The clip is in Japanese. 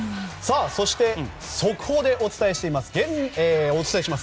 そして速報でお伝えします。